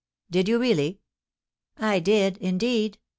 "Did you, really?" "I did, indeed.